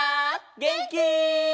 げんき？